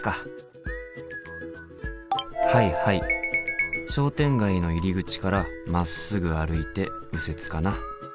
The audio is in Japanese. はいはい商店街の入り口からまっすぐ歩いて右折かな。